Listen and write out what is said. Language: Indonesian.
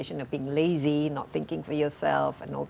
tidak berpikir untuk dirimu sendiri